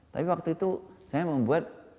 tapi waktu itu saya membuat